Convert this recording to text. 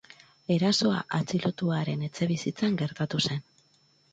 Erasoa atxilotuaren etxebizitzan gertatu zen.